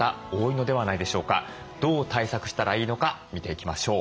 どう対策したらいいのか見ていきましょう。